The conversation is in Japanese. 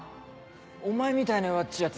お前みたいな弱っちぃ奴